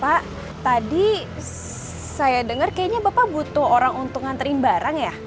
pak tadi saya dengar kayaknya bapak butuh orang untuk nganterin barang ya